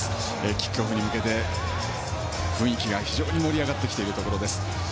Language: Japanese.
キックオフに向けて雰囲気が非常に盛り上がってきているところです。